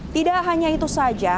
tidak hanya itu saja